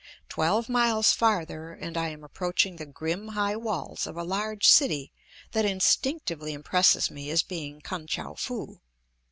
Twelve miles farther and I am approaching the grim high walls of a large city that instinctively impresses me as being Kan tchou foo.